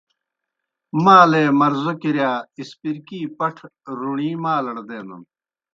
مالے مرضو کِرِیا اسپرکی پٹھہ روݨی مالڑ دینَن۔